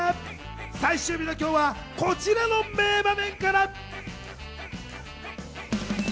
最終日の今日はこちらの名場面から。